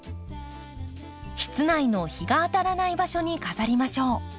室内の日が当たらない場所に飾りましょう。